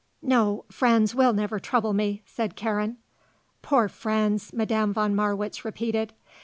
"No; Franz will never trouble me," said Karen. "Poor Franz," Madame von Marwitz repeated.